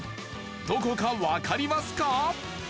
どこかわかりますか？